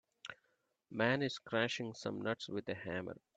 Man is crashing some nuts with a hammer.